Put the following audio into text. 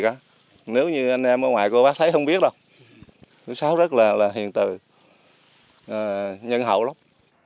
chú sáu rất là hiền từ nhân hậu lắm